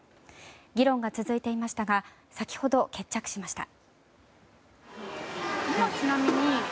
議論が続いていましたが先ほど、決着しました。